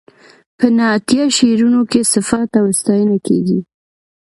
په نعتیه شعرونو کې صفت او ستاینه کیږي.